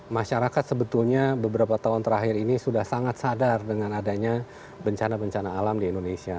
masyarakat sebetulnya beberapa tahun terakhir ini sudah sangat sadar dengan adanya bencana bencana alam di indonesia